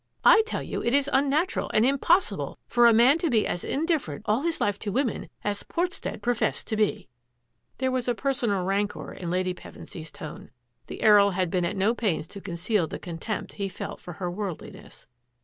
I tell you it is unnatural and impossible for a man to be as indifferent all his life to women as Portstead professed to be." There was a personal rancour in Lady Pevensy's tone. The Earl had been at no pains to conceal the contempt he felt for her worldliness.